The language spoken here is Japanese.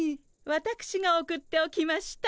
わたくしが送っておきました。